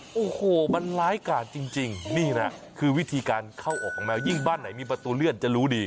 โอ้โหมันร้ายกาดจริงนี่นะคือวิธีการเข้าออกของแมวยิ่งบ้านไหนมีประตูเลื่อนจะรู้ดี